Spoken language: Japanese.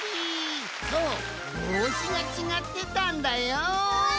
そうぼうしがちがってたんだよん。